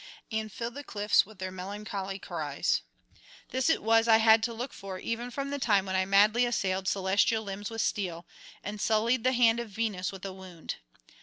and fill the cliffs with their melancholy cries. This it was I had to look for even from the time when I madly assailed celestial limbs with steel, and sullied the hand of Venus with a wound.